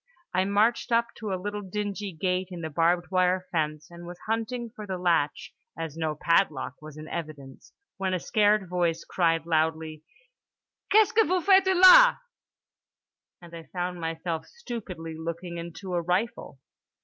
I marched up to a little dingy gate in the barbed wire fence, and was hunting for the latch (as no padlock was in evidence) when a scared voice cried loudly "Qu'est ce que vous faites là!" and I found myself stupidly looking into a rifle.